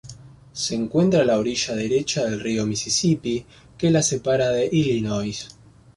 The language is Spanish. Se encuentra a la orilla derecha del río Misisipi, que la separa de Illinois.